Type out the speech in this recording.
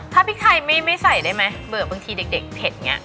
ถ้าพริกไทยไม่ใส่ได้ไหมเบิกบางทีเด็กเผ็ดอย่างนี้